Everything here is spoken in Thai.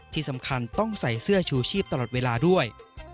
ที่สำคัญต้องใส่เสื้อชูชีพตลอดเวลาด้วย